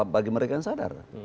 bagi mereka yang sadar